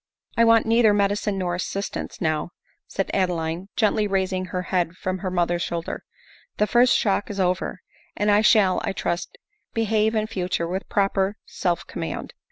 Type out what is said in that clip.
" I want neither medicine nor assistance now," said Adeline, gently raising her head from her mother's shoulder ;" the first shock is over, and I shall, I trust, be have in future with proper self command."